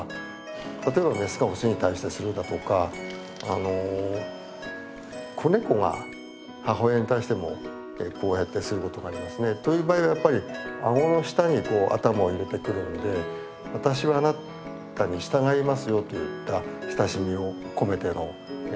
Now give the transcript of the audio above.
例えばメスがオスに対してするだとか子ネコが母親に対してもこうやってすることがありますね。という場合はやっぱり顎の下に頭を入れてくるんで私はあなたに従いますよといった親しみを込めての表現だと思います。